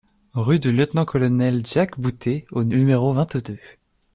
Rue du Lt Colonel Jacques Boutet au numéro vingt-deux